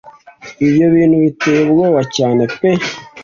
Ibyo bintera ubwoba cyane pe?